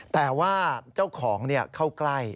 แต่ว่าเจ้าของเข้าใกล้